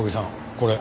これ。